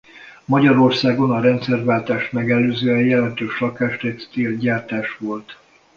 Magyarországon a rendszerváltást megelőzően jelentős lakástextil-gyártás volt.